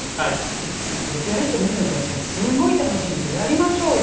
英樹さんこれやると見るのとは違ってすごい楽しいんですよやりましょうよ。